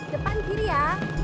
depan kiri ya